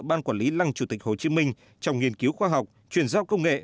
ban quản lý lăng chủ tịch hồ chí minh trong nghiên cứu khoa học chuyển giao công nghệ